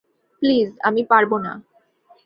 Please, আমি পারব না!